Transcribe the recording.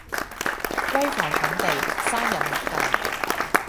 閨房重地生人勿近